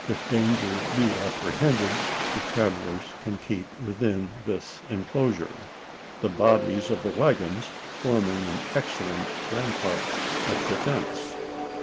If danger be apprehended, the travellers can keep within this enclosure the bodies of the waggons forming an excellent rampart of defence.